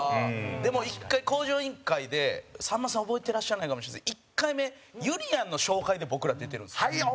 でも、１回、『向上委員会』でさんまさん覚えてらっしゃらないかもしれないですけど１回目、ゆりやんの紹介で僕ら出てるんですよ。